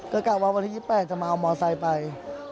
ก็กะว่าวันที่๒๘จะมาเอามอไซค์ไป